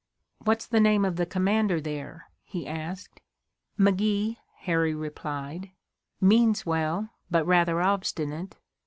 "What's the name of the commander there?" he asked. "McGee," Harry replied. "Means well, but rather obstinate."